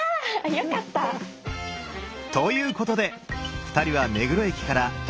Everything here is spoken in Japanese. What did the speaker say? よかった！ということで２人は目黒駅から徒歩１２分